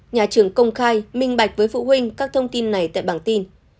nhà trường công khai minh bạch với phụ huynh các thông tin này tại bảng tin